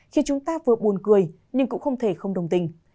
khi chúng ta vừa buồn cười nhưng cũng không thể không đồng tình